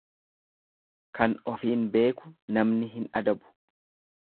Kan ofiin beeku namni hin adabu.